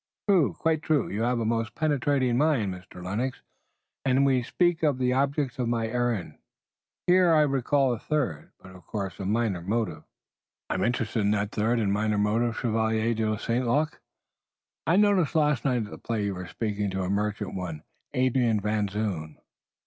"True! Quite true! You have a most penetrating mind, Mr. Lennox, and since we speak of the objects of my errand here I recall a third, but of course, a minor motive." "I am interested in that third and minor motive, Chevalier de St. Luc." "I noticed last night at the play that you were speaking to a merchant, one Adrian Van Zoon."